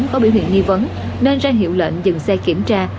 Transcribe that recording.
có biểu hiện nghi vấn nên ra hiệu lệnh dừng xe kiểm tra